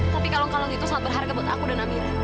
tapi kalung kalung itu sangat berharga buat aku dan nabila